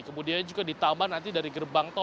kemudian juga ditambah nanti dari gerbang tol